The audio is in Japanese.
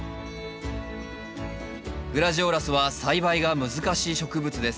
グラジオラスは栽培が難しい植物です。